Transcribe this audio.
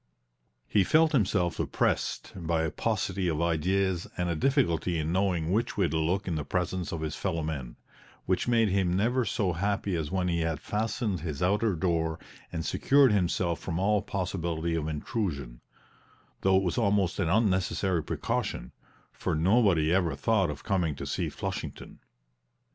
He felt himself oppressed by a paucity of ideas and a difficulty in knowing which way to look in the presence of his fellow men, which made him never so happy as when he had fastened his outer door and secured himself from all possibility of intrusion; though it was almost an unnecessary precaution, for nobody ever thought of coming to see Flushington.